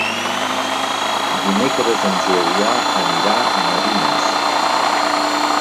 Dimecres en Julià anirà a Marines.